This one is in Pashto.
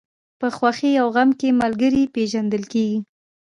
په خوښۍ او غم کې ملګری پېژندل کېږي.